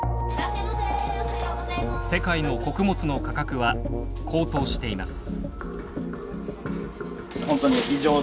世界の穀物の価格は高騰しています。